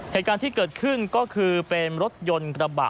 เหตุการณ์ที่เกิดขึ้นก็คือเป็นรถยนต์กระบะ